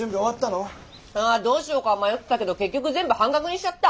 ああどうしようか迷ってたけど結局全部半額にしちゃった。